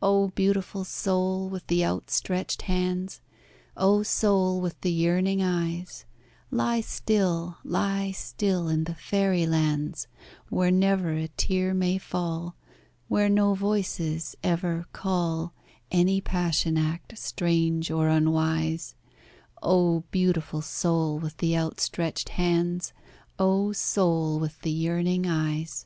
Oh! beautiful soul with the outstretched hands, Oh! soul with the yearning eyes, Lie still, lie still in the fairy lands Where never a tear may fall; Where no voices ever call Any passion act, strange or unwise Oh! beautiful soul with the outstretched hands, Oh! soul with the yearning eyes!